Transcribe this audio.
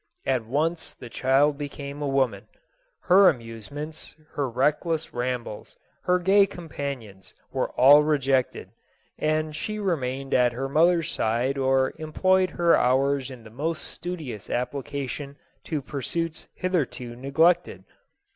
At once the child became a woman. Her amusements, her reckless rambles, her gay companions, were all rejected, and she remained at her mother's side or employed her hours in the most studious application to pursuits hitherto neglected.